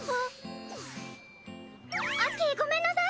アッキーごめんなさい！